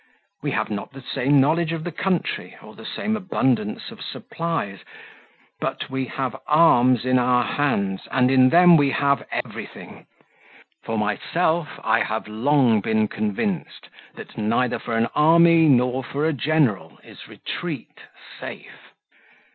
We have not the same knowledge of the country or the same abundance of supplies, but we have arms in our hands, and in them we have everything. For myself I have long been convinced that neither for an army nor for a general is retreat safe.